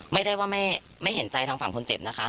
ไม่ได้ว่าไม่เห็นใจทางฝั่งคนเจ็บนะคะ